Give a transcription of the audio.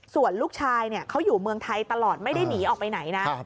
ส่วนลูกชายเขาอยู่เมืองไทยตลอดไม่ได้หนีออกไปไหนนะ